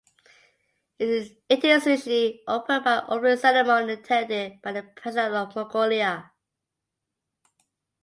It is usually opened by an opening ceremony attended by the President of Mongolia.